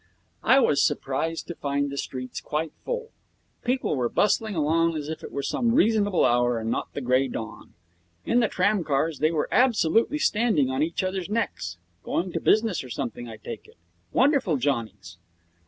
I was surprised to find the streets quite full. People were bustling along as if it were some reasonable hour and not the grey dawn. In the tramcars they were absolutely standing on each other's necks. Going to business or something, I take it. Wonderful johnnies!